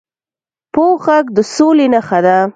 پوخ غږ د سولي نښه ده